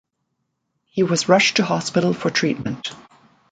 He was rushed to hospital for treatment.